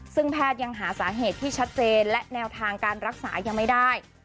ซึ่งแพทย์ยังหาสาเหตุที่ชัดเจนและแนวทางการรักษายังไม่ได้